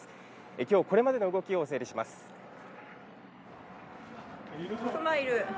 今日これまでの動きを整理します。